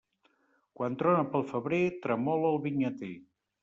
Quan trona pel febrer, tremola el vinyater.